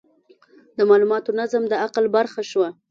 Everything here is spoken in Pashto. د مالوماتو نظم د عقل برخه شوه.